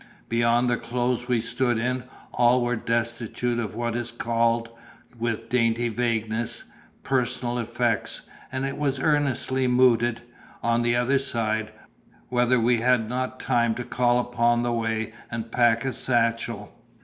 Beyond the clothes we stood in, all were destitute of what is called (with dainty vagueness) personal effects; and it was earnestly mooted, on the other side, whether we had not time to call upon the way and pack a satchel?